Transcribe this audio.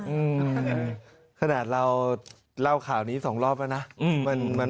อืมขนาดเราเล่าข่าวนี้สองรอบแล้วนะ